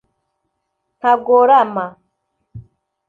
Ntagorama